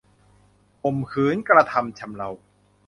ข่มขืนกระทำชำเรา